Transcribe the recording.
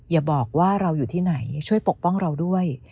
อย่าบอกว่าเราอยู่ที่ไหนช่วยปกป้องเราด้วย